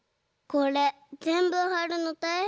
これぜんぶはるのたいへんだよね。